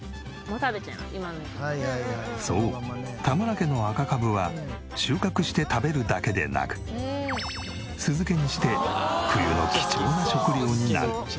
そう田村家の赤かぶは収穫して食べるだけでなく酢漬けにして冬の貴重な食料になる。